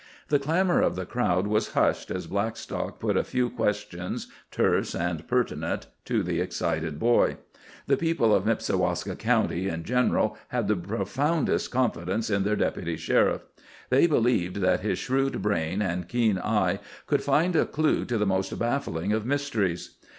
The clamour of the crowd was hushed as Blackstock put a few questions, terse and pertinent, to the excited boy. The people of Nipsiwaska County in general had the profoundest confidence in their Deputy Sheriff. They believed that his shrewd brain and keen eye could find a clue to the most baffling of mysteries.